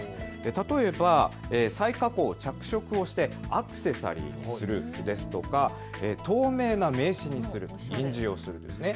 例えば再加工、着色をしてアクセサリーにするですとか、透明な名刺にする、印字をするです。